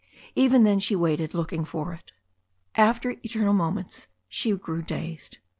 Even then she waited, looking for it. After eternal moments she grew dazed.